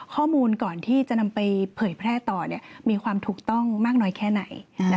ก่อนที่จะนำไปเผยแพร่ต่อมีความถูกต้องมากน้อยแค่ไหน